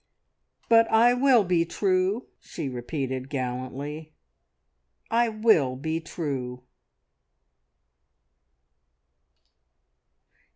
"But I will be true," she repeated gallantly; "I will be true!"